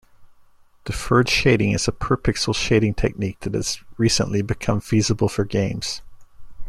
Deferred shading is a per-pixel shading technique that has recently become feasible for games.